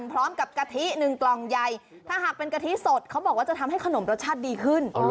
พร้อมกับกะทิหนึ่งกล่องใยถ้าหากเป็นกะทิสดเขาบอกว่าจะทำให้ขนมรสชาติดีขึ้น